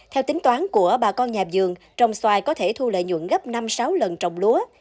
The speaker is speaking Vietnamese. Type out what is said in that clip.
theo tính toán của bà con nhà vườn trồng xoài có thể thu lợi nhuận gấp năm sáu lần trồng lúa